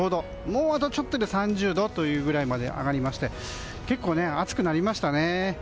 もうあとちょっとで３０度というぐらいまで上がりまして結構暑くなりましたね。